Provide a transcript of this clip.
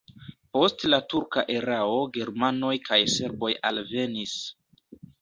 Post la turka erao germanoj kaj serboj alvenis.